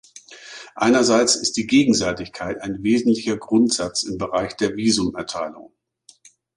Einerseits ist die Gegenseitigkeit ein wesentlicher Grundsatz im Bereich der Visumerteilung.